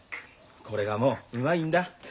これがもううまいんだ。